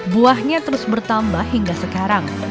buahnya terus bertambah hingga sekarang